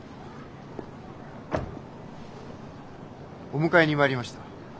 お迎えに参りました。